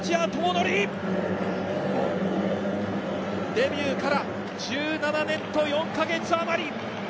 デビューから１７年と４か月余り。